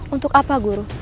untuk apa guru